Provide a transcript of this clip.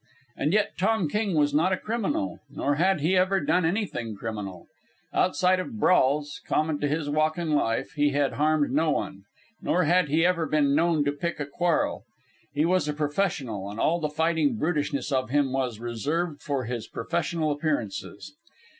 And yet Tom King was not a criminal, nor had he ever done anything criminal. Outside of brawls, common to his walk in life, he had harmed no one. Nor had he ever been known to pick a quarrel. He was a professional, and all the fighting brutishness of him was reserved for his professional appearances.